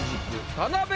田辺！